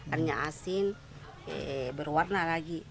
airnya asin berwarna lagi